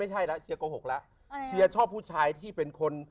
ไม่ใช่แล้วเชียร์โกหกแล้วเชียร์ชอบผู้ชายที่เป็นคน